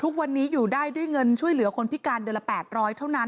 ทุกวันนี้อยู่ได้ด้วยเงินช่วยเหลือคนพิการเดือนละ๘๐๐เท่านั้น